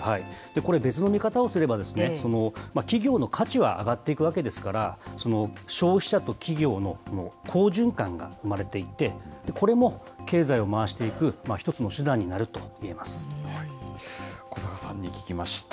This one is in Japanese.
これ、別の見方をすれば、企業の価値は上がっていくわけですから、消費者と企業の好循環が生まれていって、これも経済を回していく一つの手段になるとい小坂さんに聞きました。